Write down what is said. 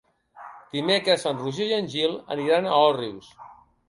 Dimecres en Roger i en Gil aniran a Òrrius.